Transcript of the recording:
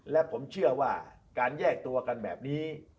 และผมเชื่อว่าการแยกตัวกันแบบนี้